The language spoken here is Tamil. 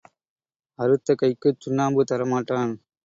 அறுத்த கைக்குச் சுண்ணாம்பு தர மாட்டான்.